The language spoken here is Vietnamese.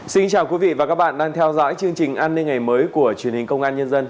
xin chào quý vị và các bạn đang theo dõi chương trình an ninh ngày mới của truyền hình công an nhân dân